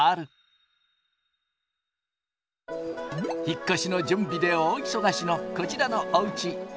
引っ越しの準備で大忙しのこちらのおうち。